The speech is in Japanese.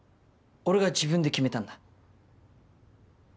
俺が自分で決めたんだ。